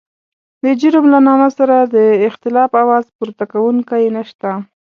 د جرم له نامه سره د اختلاف اواز پورته کوونکی نشته.